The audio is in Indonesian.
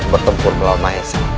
bertempur melawan mahesa